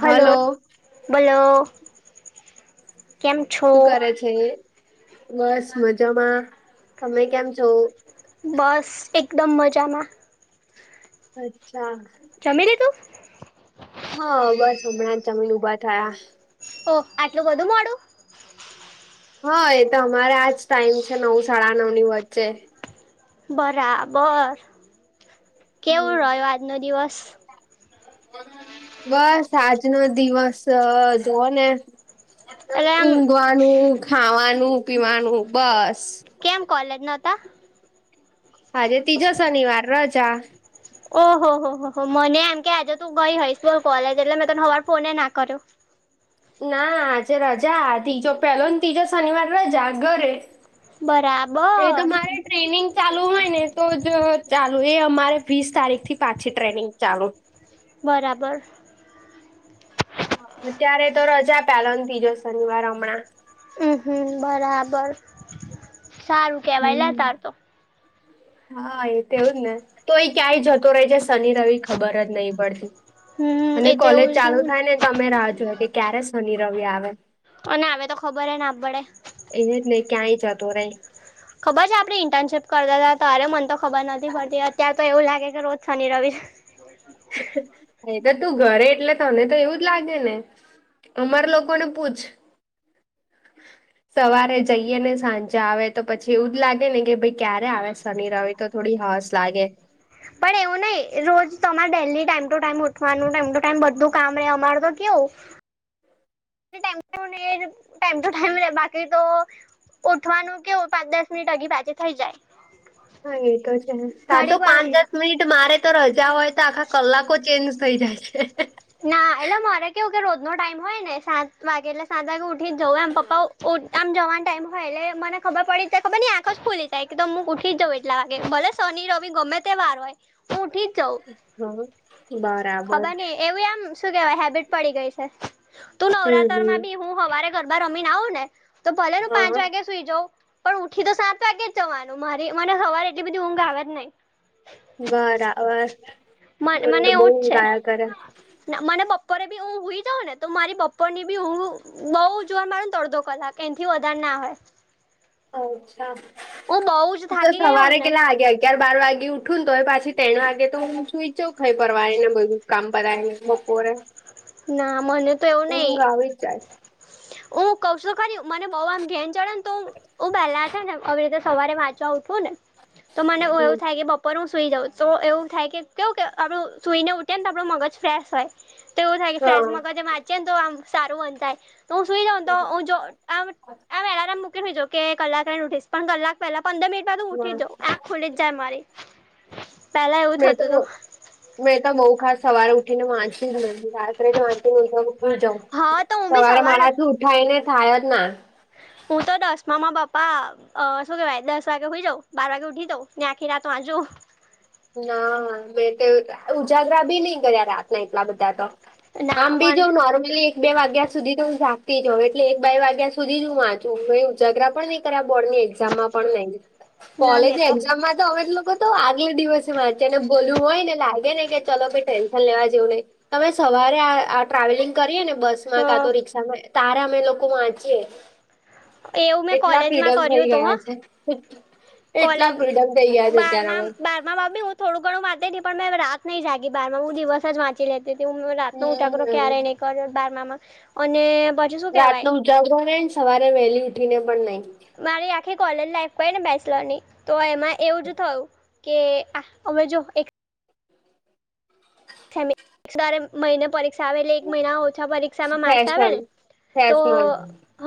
Hello. બલો. શું કરે છે બસ મજામાં તમે કેમ છો? બસ એકદમ મજામાં. અચ્છા. જમી લીધું. હા બસ હમણાં જ જમી ને ઉભા થયા. ઓ આટલું બધું મોડું હા એ તો અમારે આજ ટાઈમ છે નવ સાડા નવ ની વચ્ચે બરાબર કેવું રહ્યો આજનો દિવસ બસ આજનો દિવસ જોવ ને. એટલે આમ ઊઘવાનું ખાવાનું પીવાનું બસ. કેમ કોલેજ નોતા. આજે ત્રીજો શનિવાર રજા. ઓહો હો હો હો મને એમ કે આજે તું ગઈ હોય સ્કુલ કોલેજ એટલે મેં તને હવાર ફોન એ ના કર્યો. ના આજે રજા ત્રીજો પેલો ત્રીજો શનિવાર રજા ઘરે. એ તો બરાબર મારે. ટ્રેનિંગ ચાલુ હોય ને તો જ ચાલુ એ અમારે વીસ તારીખ થી પાછી ટ્રેનિંગ ચાલુ બરાબર. અત્યારે તો રજા પેલો તીજો શનિવાર હમણાં હમ હમ બરાબર સારું. કેવાય લે હમ. તાર તો હા એ તોવુંજ ને તો એ ક્યાંય જતો રહેે છે શનિ રવિ ખબર જ નહીં પડતી. હમ અને એ તો કોલેજ એવું જ ચાલુ થાય ને તમે રાહ જોએ કે ક્યારે શનિ રવિ આવે. અને હવે તો ખબર એ ના પડે. એને જ નહી ક્યાંય જતો રે. ખબર છે આપણે ઇન્ટર્નશીપ કરતા હતા તારે મન તો ખબર નથી પડતી અત્યારે તો એવું લાગે કે રોજ શનિ રવિ. એ તો તું ઘરે એટલે તને તો એવું જ લાગે ને. અમાર લોકો ને પૂછ સવારે જઈએ ને સાંજે આવે તો પછી એવું જ લાગે ને કે ભાઈ ક્યારે આવે શનિ રવિ. તો થોડી હાસ લાગે. પણ નહી રોજ તમારે ડેલી ટાઈમ ટુ ટાઈમ ઉઠવાનું ટાઈમ ટુ ટાઈમ બધું કામે અમાર તો કેવું ટેપુ ને ટાઈમ ટુ ટાઈમ રે બાકી તો. ઉઠવાનું કે કેવુ પાંચ દસ મિનિટ આગી પાછી થઈ જાય. હા એ તો છે તાર તો ઘડીક વાર પાંચ દસ. મિટ મારે તો રજા હોય તો આખા કલાકો ચેન્જ થઈ જાય છે. ના એટલે મારે કેવું કે રોજ નો ટાઈમ હોય ને સાત વાગે એટલે સાત વાગે ઉઠી જવું એમ પપ્પા ઉઠ. આમ જવાનો ટાઈમ હોય એટલે મને ખબર પડી જાય ખબર ની આંખ જ ખૂલી જાય કે તોમ હું ઉઠી જઉ. કેટલા વાગે ભલે શનિ રવિ ગમે તે વાર હોય હું ઉઠી જ જઉં હમ બરાબર. એવું આમ શું કેવાય હેબિટ પડી ગઈ છે. તું હમ નવરાત્ર માં હમ. બી હું હવારે ગરબા રમીને આઉ ને તો ભલે નું પાંચ હા વાગે સુઈ જઉ પણ ઉઠી તો સાત વાગે જ જવાનું મારી મને હવારે એટલી બધી ઊંઘ આવે જ નહી. બરાબર મને તો બઉ ઊંધ આયા કરે ના મને બપોરે બી હું હુય જઉં ને તો મારી બપોર ની બી હું બઉ જોવા મળે ને અડધો કલાક એથી વધારે ના હોય અચ્છા હું બઉ જ તું તો થાકી ગઈ સવારે હોઉં ને કેટલા આગે આગિયર બાર વાગે ઉઠું ન તોય પછી તે્ણ વાગે તો હું સુઈ જઉ ખઈ પરવારી ને બધું કામ પતાઈને બપોરે ના મને તો એવું નહી ઊંઘ આવી જ જાય હું કઉ છું ખરી મને બવ ઘેન ચડે ને તો ઓ પહેલા છે ને હવે રીતે સવારે વાંચવા ઉઠવું ને તો મને એ હમ એવું થાય કે બપોરે ઉપ હું સૂઈ જાઉં તો એવું થાય કે કેવું કે આપણું સૂઈને ઊઠીએને તો આપણું મગજ ફ્રેશ હોય તો એવું થાય કે હા ફેશ મગજ વાચીએ તો આમ સારું મન થાય હું સુઈ જાઉ તો હું જો આમ આમ એલાર્મ મૂકીનેઉધી જવ કે કલાક રહીંને ઉઠિશ પણ કલાક પેલા પંદર મિનિટ માં હા ઉઠી જ ખુલી જજાય મારી પેલા એવું મેં થતું તો હતું મેં તો બહુ ખાસ સવારે ઉઠી ને વાંચીયું જ નથી રાત્રે જથીજર જાવ હા તો હું બી સવારે સવાર મારા થી ઉઠાય ને થાય જ ના હું તો દસમાં માં બાપા અ શું કેવાય દસ વાગે હુઈ જઉ બાર વાગે ઉઠી જઉ ને આખી રાત વાચું ના મે ઉજાગરા બી નહી કર્યા રાતના એટલા બધા તો ના આમ બી જો મન નોર્મલી બે વાગ્યા સુધી તો હું જાગતી હોઉ એટલે એક બે વાગ્યા સુધી જ હું વાંચું મે ઉજાગરા પણ નહી બોર્ડ ની એક્ઝામમાં પણ નહી ના કોલેજ મેં તો એક્ઝામમાં તો અમે લોકો આગલૅ દિવસે વાચને ભલું હોય ને લાગે ને કે ચલો ભાઈ ટેન્શન લેવા જેવું નહીં તમે સવારે આ ટ્રાવેલિંગ કરીએ ને બસ હ માં કા તો રિક્ષામાં તારે અમે લોકો વાંચીએ એવું મેં એટલા કોલેજમાં ફ્રીડમ થઈ કર્યું હતું ગયા હ છે એટલા કોલેજ ફ્રીડમ થઈ ગયા છે અત્યારે અમે બારમાં બારમામાં બી હું થોડું ઘણું વાચતી પણ મેં રાત નહીં જાગી બારમાં હું દિવસ જ વાંચી લેતી તેંથી હું રાતનો ઉજાગરો હમ ક્યારે નહી કર્યો બારમામાં અને શું કહેવાય રાતનો ઉજાગરો નઈ ને સવારે વહેલી ઉઠી ને પણ નઈ મારી આખી કોલેજ લાઈફ ગય ને બેચલર ની તો એમાં એવું જ થયું કે આ અવે જો એક મહિને પરીક્ષા આવે એટલે એક મહિના ઓછા પરીક્ષામાં માર્ક્સ આવે ફેશન ને તો ફેશનલ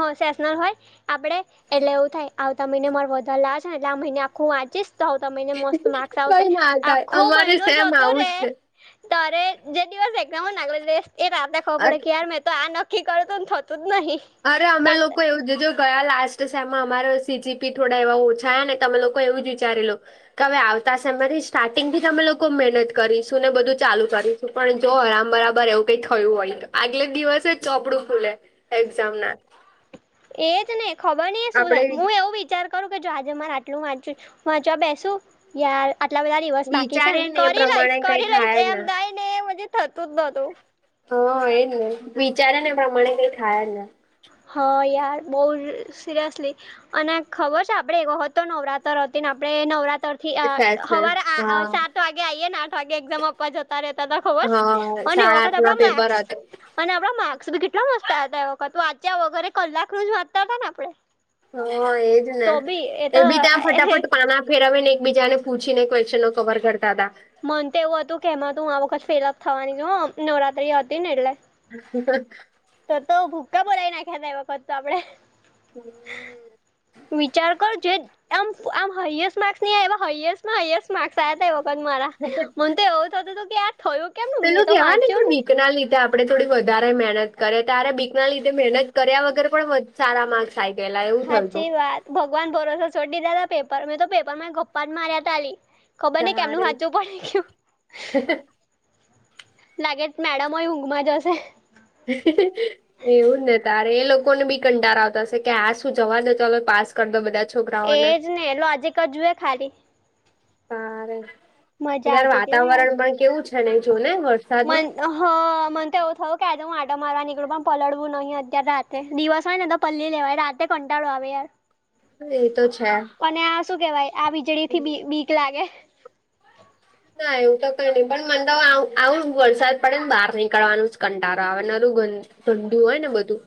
હ સેશનલ હોય આપણે એટલે એવું થાય આવતા મહિને માર વધારે લાવા છે ને એટલે આ મહિને આખું વાંચીશ આવતા મહીને મસ્ત માર્ક્સ આવશે કઈ ના થાય આખો અમારે મહિનો સેમ જતો આવું રે જ છે તારે જે દિવસ એક્ઝામ હોય ને આલગે એ રાતે ખબર પડે અ- કે યાર મે તો આ નક્કી કરેતું થતું જ નહી અરે અમે લોકો એવુંજ જો ગયા લાસ્ટ સેમમાં અમારા સીજીપી થોડા એવા ઓછા ને અમે લોકો એવું જ વિચારેલું કાલે આવતા સેમમાંથી જ સ્ટાર્ટિંગ થી જ અમે લોકો મહેનત કરીશું ને બધું ચાલુ કરીશું પણ જો આરામ બરાબર એવું કઈ થયું હોય તો આગલે દિવસે જ ચોપડું ખુલે ચમના એજ ને ખબર નઈ આ શું આપડે થાય હું એવું વિચાર કહુ કે જો આજે મારે આટલું વાચું હું વાંચવા બેસું યાર આટલા બધા દિવસ બાક છે વિચારે ને એ કરી લઈશ પ્રમાણે કઈ કરી લઈશ થાય જ એમ ના થાય ને પછી થતું જ ન હતું હા એજ ને વિચારે ને પ્રમાણે કઈ થાય જ ના હા યાર બહુ સિરિયસલી અને ખબર છે આપડે એક વખત તો નવરાત્ર હતી ને આપડે નવરાત્ર થી સેશનલ હવારે હા સાત વાગે આઈએ ને આઠ વાગે એક્ઝામ આપવા જતા રહેતા હતા ખબર છે હા અને સાડા વખત આઠ ના આપડા પેપર માર્ક્સ હતું અને આપડા માર્ક્સ બી કેટલા મસ્તા હતા. એ વખત વાંચ્યા વગરે કલાક રોજ વાંચતા હતા ને આપડે. હા એજ ને તો બી એ તો બી ત્યાં ફટાફટ પાના ફેરવીને એકબીજાને પૂછીને ક્વેશ્નો કવર કરતા હતા. મન તો એવું હતું કે એમાં તું આ વખત ફેલ જ થવાની છે, નવરાત્રી હતી ને એટલે. [unintelligible] તો તો ભૂક્કા બોલાવી નાખ્યા તા એ વખત તો આપડે હમ! વિચાર કર જે આમ આમ હાએસ્ટ માર્ક્સ ની હાએસ્ટમાં હાએસ્ટ માર્ક્સ આ્યા હતા એ વખત મારાહ મને તો એવું તો તો તું કે યાર પેલો કેવાય ને કે બીકના લીધે આપ આપણે થોડી વધારે મહેનત કરે, ત્યારે બીકના લીધે મહેનત કર્યા વગર પણ સારા માર્ક્સ આ ગયેલા એવું થયું હતું. સાચી વાત ભગવાન ભરોસે છોડી દીધુ પેપર મે તો પેપરમાં ગપ્પા મા્યાતી આલી. ખબર નહી કેમનું તારે હાચુ પડી ગ્યું. લાગે મેડમ હોય ઊંઘમાં જ હશે. એવું જ ને તારે એ લોકોને બી કંટાળો આવતા હશે, કે આ શું જવા દો ચાલો પાસ કરી દો બધા છોકરાઓને, એજ ને લોજિક જ જુએ ખાલી સારે મજા અત્યારે આવતી હતી વાતાવરણ પણ કેવું છે ને જો ને વરસાદ મ [unintelligible] હા મને તો એવું થયું કે આજ હું આટો મારવા નીકળું, પણ પલળવું નહીં અત્યારે રાત્રે દિવસ હોય ને તો પલ્લળી લેવાય રાતે કંટાળો આવે યારવ એ તો છે. અને આ શું કેવાય? આ વીજળી થી બીક લાગે. ના એવું તો કઈ નહીં પણ મને તો આવું વરસાદ પડે ને બહાર નીકળવાનું જ કંટળો આવે નરું ગન ગંડું હોય ને બધું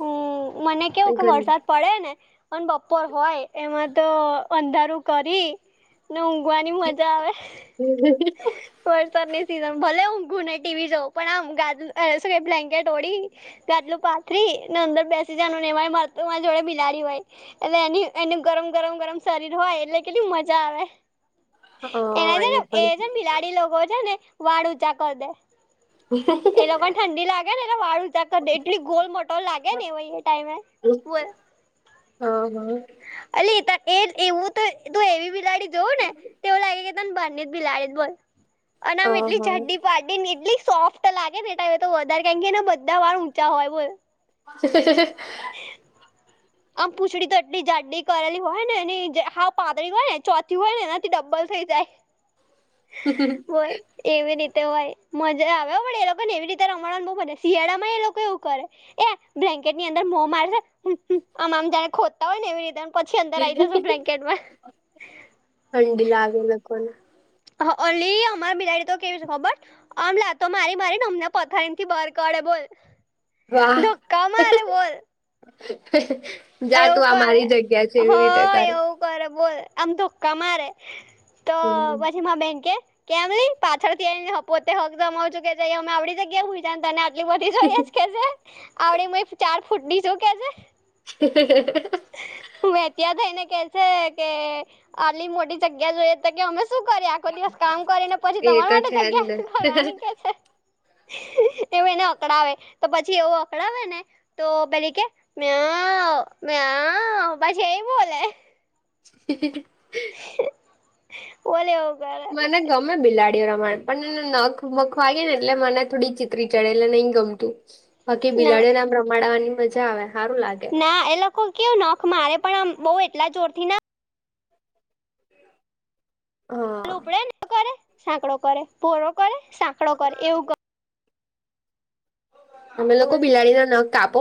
હમ મને એ કેવું કે ગંદ વરસાદ પડે ને પણ બપોર હોય એમાં તો અંધારું કરી ને ઊંઘવાની મજા આવે. વરસાદની સિઝન ભલે ઊંધુને ટીવી જઉં પણ આમ શું બ્લેન્કેટ ઓઢી ગાદલું પાથરી ને અંદર બેસી જનું ને એરી માર મારી જોડે બિલાડી હોય. એટલે એની એનું ગરમ ગરમ ગરમ શરીર હોય એટલે કેટલી મજા આવે. એના હા છે ને એ પણ છે ને બિલાડી લોકો છે ને વાળ ઊંચા કરી દે. એ લોકોને ઠંડી લાગે ને એટલે વાળું ત્યા કરી દે એટલી ગોલ મોટો લાગે હા ને એવા ટાઈમે હા અ એ એવું તો તું એવી બિલાડી જોવું ને એવું લાગે કે તને બને બિલાડી જ બોલ અને આમ હા એટલી હા જાડી વાડીને એટલી સોફ્ટ લાગે ને એ ટાઈમે તો વધારે કારણ કે એના બધા વાળ ઊંચા હોય બોલ. [unintelligible] આમ પૂંછડી તટલી જાડડી કરેલી હોય ને એ હ પાતળી હોય ને ચોથી હોય ને એનાથી ડબ્બલ થઈ જાય. બોલ? એવી રીતે હોય મજા આવે પણ એ લોકો ને એવી રીતે રમવાને બહુ મજા શિયાળા માં એ લોકો એવું કરે. બ્લેન્કેટની અંદર મો મારશે આમ જાને ખોદતા હોય ને એવી રીતે. પછી અંદર આવી જશે બ્લેન્કેટમાં ઠંડી લાગે લોકોને હ ઓલી અમાર બિલાડી તો કેવી ખબર? આમ લાતો મારી મારી ને અમને પથારી થી બાર કાઢે બોલ? વાહ દુક્કા મારે બોલ. જા એવું તું આ કરે મારી જગ્યા છે હ એવી રીતે કર. એવું બોલ આમ તો દુક્કા મારે તો હમ. પછી મા બેંકેટ કેમ ન પાછળ થી આવી પોતે હક જમું છું કે અમે આવડી જગ્યા હને તને એટલી બધી જોઈ જ કે આવડી ચાર ફૂટ ની જો કે છે. હ. હું ત્યાં થઈને કે છે કે આલી મોટી જગ્યા જોઈએ તો કે અમે શું કર્યા દિવસ કામ કરીને પછી એ તમારા તો માટે છે જ જગ્યા ને કરવાની કે છે. [inaudible] તેવું એને અકડાવે તો પછી એવું અકડાવે ને તો પેલી કે મે મે હ પછી એ બોલ. હ. ઓલેવગ [unintelligible] મને ગમે બિલાડીઓ રમાણ પણ એને નખ મખ વાગે ને એટલે મને થોડી ચિત્રી ચડેલે નઈ ગમતી. બાકી ના બિલાડી ને આમ રમાડવાની મજા આવે સારું લાગે. ના એ લોકો કેવું નખ મારે પણ આમ બઉ એટલા જોરથી ના હા. ઉપડે કરે સાંકડો કરે ભોરો કરે સાંકડો કરે એવું કરે. અમે લોકો બિલાડી ના નખ કાપો.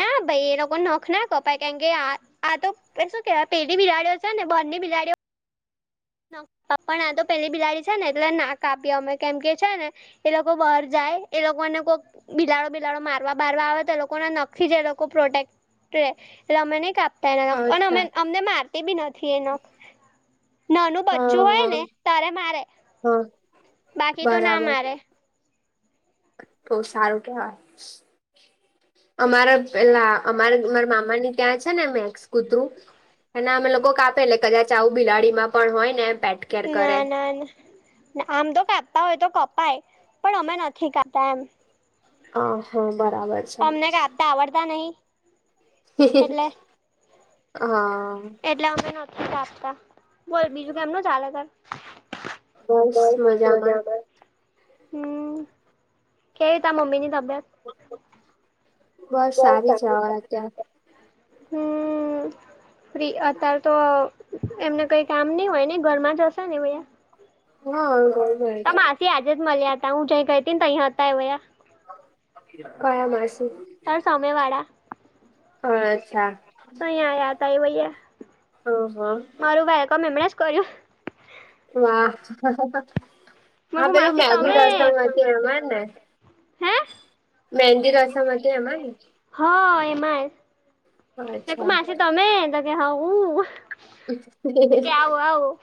ના ભાઈ એ લોકો નખ ના કપાય કારણ કે આ હા તો શું કેવાય પેલી બિલાડીઓ છે ને બરની બિલાડીઓ પ્પ પણ આ તો પેલી બિલાડી છે ને એટ ના કાપી અમે કેમ કે છે ને એ લોકો બહાર જાય એ લોકોને કોક બિલાડો બિલાડો મારવા બરવા આવે તો લોકોને નક્ જ એ લોકો પ્રોટેક્ટ એટલે અમે નહી કાપતા એખ અને અમે અચ્છા અમને મારતી બી નથી એ નખ. નાનું હા બચ્ચું હોય ને હા તારે મારે હા બાકી તો ના મારે. બહ સારું કેવાય. અમારા પેલા અમારે મામારા મામાની ત્યાં છે ને મેક્સ કૂતરું અને અમે લોકો કાપે એટલે કદાચ આવું બિલાડીમાં પણ હોય ને એ પેટ. કેર કરે. ના ના ના આમ તો કાપતા હોય તો કપાય પણ અમે નથી કાપતા એમ. અ હા બરાબર. છે અમને કાપતા આવડતા નહીં. હા. એટલે અમે નથી આપતા બોલ બીજું કેમનું ચાલે ત. બસ મજામાં. હમ્મ કેવી ત મમ્મીની તબિયત. બસ સારી છે અત્યારે. હમ્મ અત્યારે તો એમને કઈ કામ નઈ હોય ને ઘરમાં જ હશે ને ભૈ [unintelligible] હા ગોલ મેરેજ તો માસી આજે જ મળ્યા હતા હું જ ગઈ હતી ને તો અહીંયા હતા. કયા માસી? તાર સામે વાળા હા અચ્છા તો અહીં આયા હતા એ ભૈયા હ હ. મારું વેલકમ એમણે જ કર્યું. વાહ મેં હા કીધું પેલું માસી મહેંદી રસમ હતી એમાં ને. તમે હે મહેંદી રસમ હતી એમાં. હ એમાં તક અચ્છા માસી તમે તો કે હું. તો કે આવું આવું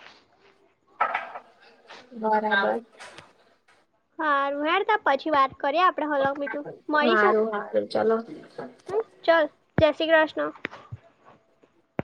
બરાબર. હારુ હેડતો પછી વાત કરીએ આપણે. આપ હ બીધું મળીશું હારું હારું ચલો હ ચાલ જય શ્રી કૃષ્ણ.